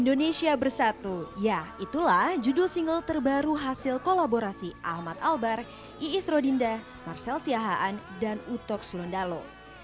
indonesia bersatu ya itulah judul single terbaru hasil kolaborasi ahmad albar iis rodinda marcel siahaan dan utok sundalo